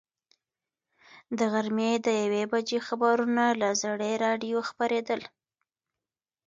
د غرمې د یوې بجې خبرونه له زړې راډیو خپرېدل.